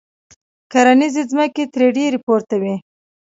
کرنیزې ځمکې ترې ډېرې پورته وې.